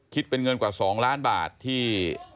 เป็นเงินกว่า๒ล้านบาทที่